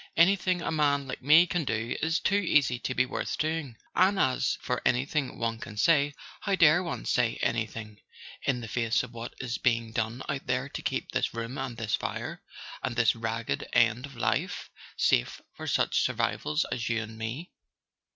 Anything a man like me can do is too easy to be worth doing. And as for anything one can say: how dare one say anything, in the face of what is being done out there to keep this room and this fire, and this ragged end of life, safe for such survivals as you and me?"